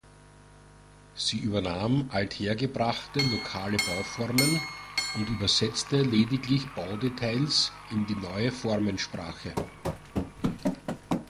Sie übernahm althergebrachte, lokale Bauformen und übersetzte lediglich Baudetails in die neue Formensprache.